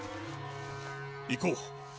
行こう。